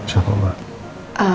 tunggu aku mau pindah ke rumah